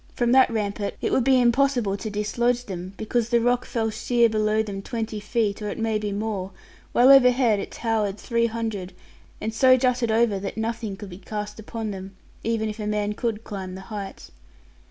From that rampart it would be impossible to dislodge them, because the rock fell sheer below them twenty feet, or it may be more; while overhead it towered three hundred, and so jutted over that nothing could be cast upon them; even if a man could climb the height.